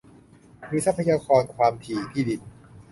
มีทรัพยากร ความถี่ ที่ดิน